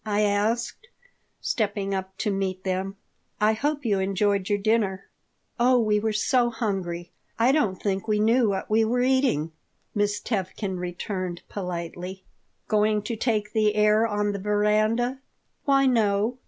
I asked, stepping up to meet them. "I hope you enjoyed your dinner." "Oh, we were so hungry, I don't think we knew what we were eating," Miss Tevkin returned, politely "Going to take the air on the veranda?" "Why no.